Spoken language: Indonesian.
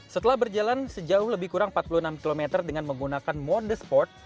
setelah berjalan sejauh lebih kurang empat puluh enam km dengan menggunakan monde sport